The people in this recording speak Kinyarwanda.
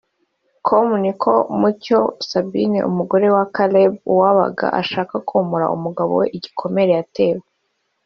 com ni uko Mucyo Sabine umugore wa Caleb Uwagaba ashaka komora umugabo we igikomere yatewe